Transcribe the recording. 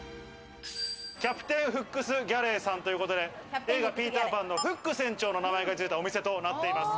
キャプテンフックス・ギャレーさんということで、映画『ピーター・パン』のフック船長の名前がついたお店となっています。